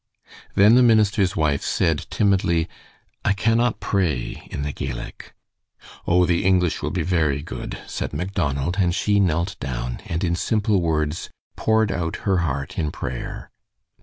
Then the minister's wife said, timidly, "I cannot pray in the Gaelic." "Oh, the English will be very good," said Macdonald, and she knelt down and in simple words poured out her heart in prayer.